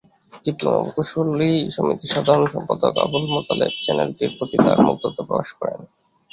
Diploma প্রকৌশলী সমিতির সাধারণ সম্পাদক আবদুল মোতালেব চ্যানেলটির প্রতি তার মুগ্ধতা প্রকাশ করেন।